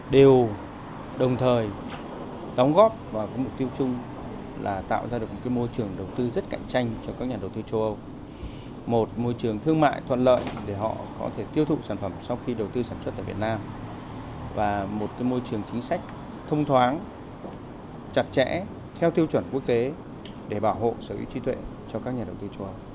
để bảo hộ sở hữu trí tuệ cho các nhà đầu tư châu âu